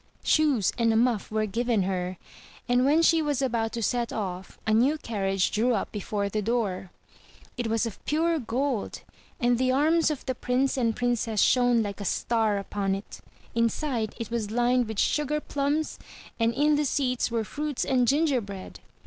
Shoes and a muff were given her; and when she was about to set off, a new carriage drew up before the door. It was of 314 THROUGH FAIRY HALLS pure gold, and the arms of the Prince and Princess shone like a star upon it; inside, it was hned with sugar plums and in the seats were fruits and gingerbread.